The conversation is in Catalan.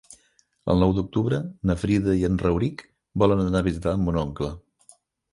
El nou d'octubre na Frida i en Rauric volen anar a visitar mon oncle.